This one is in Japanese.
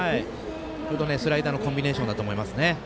これとスライダーのコンビネーションだと思います。